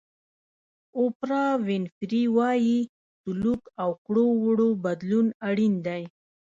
اوپرا وینفري وایي سلوک او کړو وړو بدلون اړین دی.